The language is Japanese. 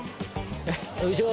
よいしょ。